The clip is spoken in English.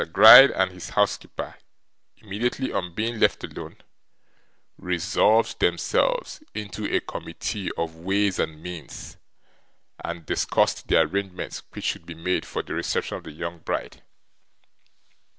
Mr. Gride and his housekeeper, immediately on being left alone, resolved themselves into a committee of ways and means, and discussed the arrangements which should be made for the reception of the young bride.